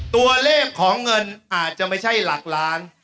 ตัวเลขของเงินอาจจะไม่ใช่หลักล้าน